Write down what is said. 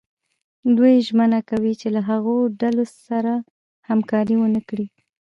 دوی ژمنه کوي چې له هغو ډلو سره همکاري ونه کړي.